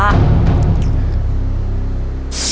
ผมเห็น